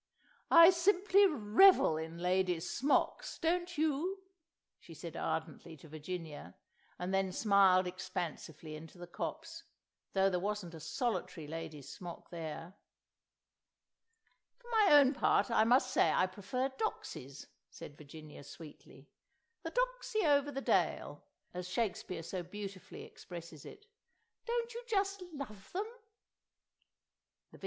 "I simply revel in Lady's Smocks, don't you?" she said ardently to Virginia, and then smiled expansively into the copse, though there wasn't a solitary Lady's Smock there. "For my own part, I must say I prefer Doxies," said Virginia sweetly. "'The Doxy over the dale,' as Shakespeare so beautifully expresses it. Don't you just love them?" The V.